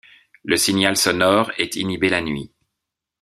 Le signal sonore est inhibé la nuit.